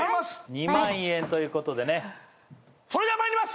２万円ということでねそれじゃあまいります